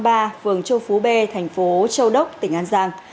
phường châu phú b thành phố châu đốc tỉnh an giang